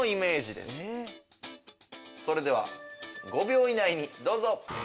それでは５秒以内にどうぞ。